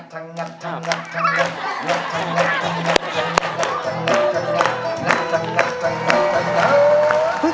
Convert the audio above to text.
ของเขา